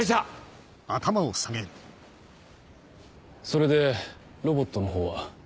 それでロボットのほうは？